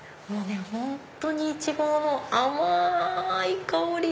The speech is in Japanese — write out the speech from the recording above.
本当にイチゴの甘い香り！